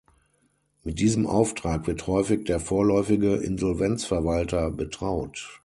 Mit diesem Auftrag wird häufig der vorläufige Insolvenzverwalter betraut.